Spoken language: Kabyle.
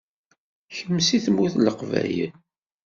Kemm seg Tmurt n Leqbayel?